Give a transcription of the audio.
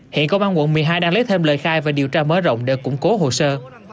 hiện công an quận một mươi hai đang lấy thêm lời khai và điều tra mở rộng để củng cố hồ sơ